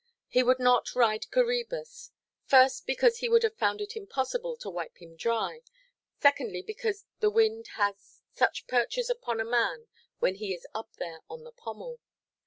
He would not ride Coræbus; first because he would have found it impossible to wipe him dry, secondly because the wind has such purchase upon a man when he is up there on the pommel.